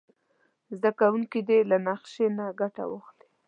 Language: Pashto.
زده کوونکي دې له نقشې نه ګټه واخلي.